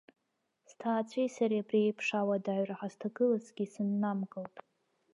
Сҭаацәеи сареи абри еиԥш ауадаҩра ҳазҭагылазгьы сыннамкылт.